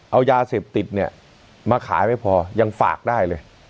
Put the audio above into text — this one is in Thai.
เอายาเสพติดเนี่ยมาขายไม่พอยังฝากได้เลย